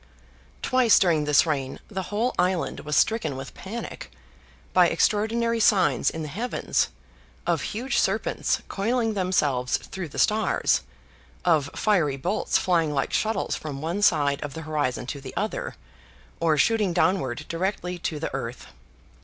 Twice during this reign the whole island was stricken with panic, by extraordinary signs in the heavens, of huge serpents coiling themselves through the stars, of fiery bolts flying like shuttles from one side of the horizon to the other, or shooting downward directly to the earth.